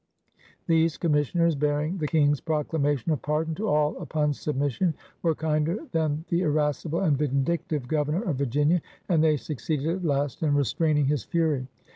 These com missioners, bearing the King's proclamation of pardon to all upon submission, were kinder than the irascible and vindictive Governor of Virginia, and they succeeded at last in restraining his fury.